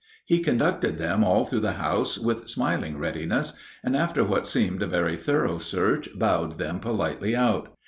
He conducted them all through the house with smiling readiness, and after what seemed a very thorough search bowed them politely out.